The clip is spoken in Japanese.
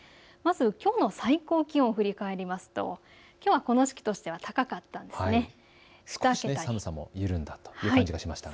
まずはきょうの最高気温を振り返りますときょうはこの時期としては高かったんですね。